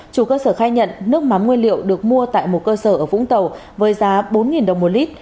chủ cơ sở khai nhận nước mắm nguyên liệu được mua tại một cơ sở ở vũng tàu với giá bốn đồng một lít